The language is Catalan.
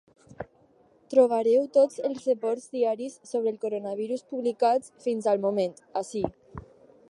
Trobareu tots els reports diaris sobre el coronavirus publicats fins al moment, ací.